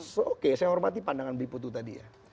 so oke saya hormati pandangan biputu tadi ya